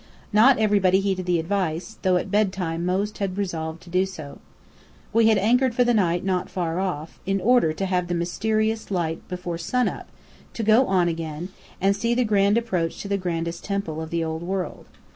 Not everybody heeded the advice, though at bedtime most had resolved to do so. We had anchored for the night not far off, in order to have the mysterious light before sun up, to go on again, and see the grand approach to the grandest temple of the Old World.